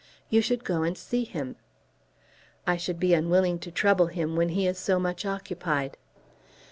You should go and see him." "I should be unwilling to trouble him when he is so much occupied."